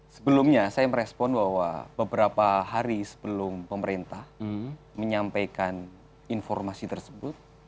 sebelumnya saya merespon bahwa beberapa hari sebelum pemerintah menyampaikan informasi tersebut